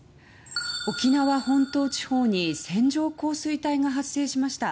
沖縄本島地方に線状降水帯が発生しました。